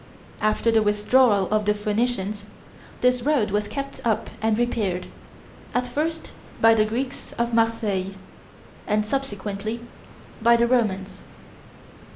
After the withdrawal of the Phoenicians this road was kept up and repaired, at first by the Greeks of Marseilles, and subsequently by the Romans.